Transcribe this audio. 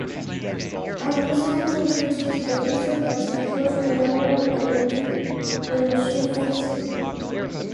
On personal computers, the reset button clears the memory and reboots the machine forcibly.